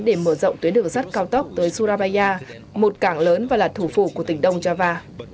để mở rộng tuyến đường sắt cao tốc tới surabaya một cảng lớn và là thủ phủ của tỉnh đông java